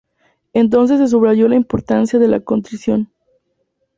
Entonces se subrayó la importancia de la contrición.